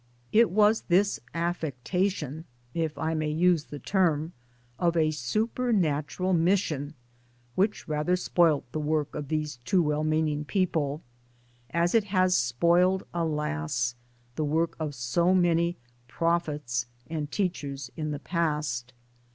It was this affectation, if I may use the terni, of a supernatural mission which rather spoilt the work of these two well meaning p>eople as it has spoiled alas ! the work of so many ' prophets ' and teachers in the piast.